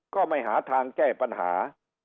ก็ไม่หาทางแก้ปัญหา